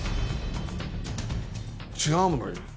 違うのよ。